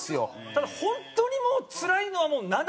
ただ本当にもうつらいのは７以上。